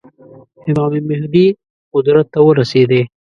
امام مهدي قدرت ته ورسېدی.